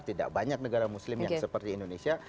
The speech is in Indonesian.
tidak banyak negara muslim yang seperti indonesia